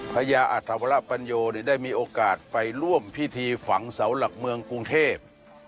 พระยาอัธวรปัญโยได้มีโอกาสไปร่วมพิธีฝังเสาหลักเมืองกรุงเทพ